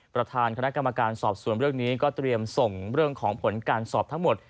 ประธานคณะกรรมการสอบส่วนเรื่องนี้ก็เตรียมส่งเรื่องของผลการสอบทั้งหมด